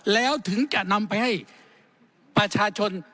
แล้วถึงจะนำไปให้ประชาชน